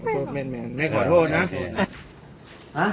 คุณเอ็งเมดม์